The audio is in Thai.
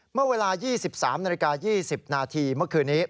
เมื่อเวลา๒๓๒๐นาทีเมื่อคืนนี้